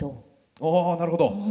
あなるほど。